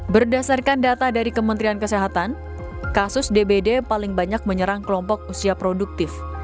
berdasarkan data dari kementerian kesehatan kasus dbd paling banyak menyerang kelompok usia produktif